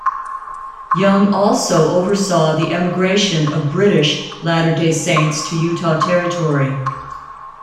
Young also oversaw the emigration of British Latter-day Saints to Utah Territory.